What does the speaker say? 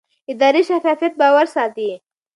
اداري شفافیت باور ساتي